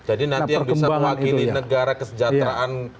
jadi nanti yang bisa mewakili negara kesejahteraan